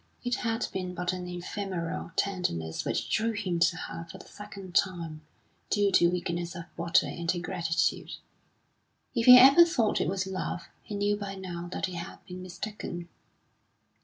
It had been but an ephemeral tenderness which drew him to her for the second time, due to weakness of body and to gratitude. If he ever thought it was love, he knew by now that he had been mistaken.